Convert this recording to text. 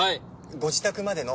ご自宅までの！